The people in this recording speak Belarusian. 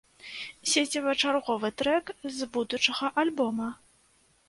Сеціва чарговы трэк з будучага альбома.